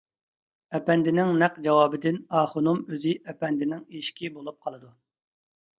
ئەپەندىنىڭ نەق جاۋابىدىن ئاخۇنۇم ئۆزى ئەپەندىنىڭ ئېشىكى بولۇپ قالىدۇ.